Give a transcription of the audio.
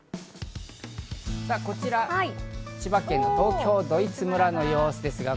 こちら千葉県、東京ドイツ村の様子です。